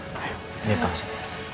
iya terima kasih